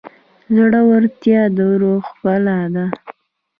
زړورتیا د روح ښکلا ده.